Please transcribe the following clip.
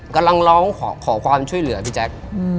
กำลังร้องขอความช่วยเหลือพี่แจ๊ค